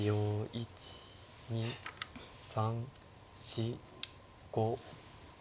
１２３４５。